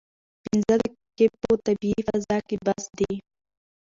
پنځه دقیقې په طبیعي فضا کې بس دي.